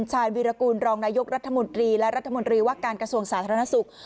ชาญวีรกูลรองนายกรัฐมนตรีและรัฐมนตรีว่าการกระทรวงสาธารณสุข